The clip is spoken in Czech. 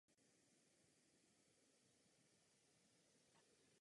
Během působení za německou linií provedla skupina úspěšně své úkoly.